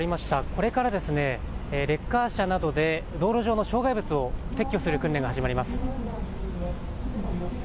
これからレッカー車などで道路上の障害物を撤去する訓練が始まります。